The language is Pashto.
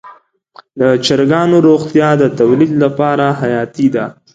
د چرګانو روغتیا د تولید لپاره حیاتي ده.